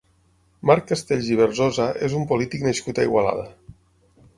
Marc Castells i Berzosa és un polític nascut a Igualada.